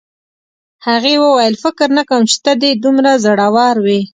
هغې وویل فکر نه کوم چې ته دې دومره زړور وې